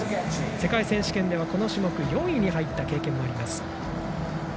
世界選手権ではこの種目４位に入った経験もあります。